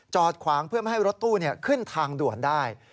ขวางเพื่อไม่ให้รถตู้ขึ้นทางด่วนได้